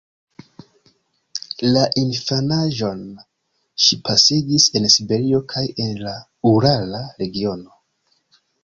La infanaĝon ŝi pasigis en Siberio kaj en la urala regiono.